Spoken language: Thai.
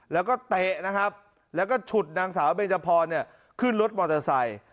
แล้วก็เตะนะครับแล้วก็ฉุดนางสาวเบจพรขึ้นรถมอเตอร์ไซค์